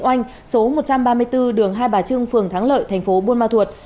oanh số một trăm ba mươi bốn đường hai bà trưng phường thắng lợi tp buôn ma thuột